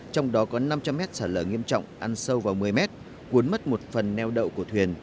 trong đó có năm trăm linh mét sạt lở nghiêm trọng ăn sâu vào một mươi mét cuốn mất một phần neo đậu của thuyền